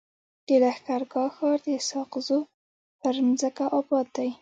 د لښکر ګاه ښار د اسحق زو پر مځکه اباد دی.